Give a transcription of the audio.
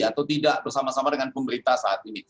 atau tidak bersama sama dengan pemerintah saat ini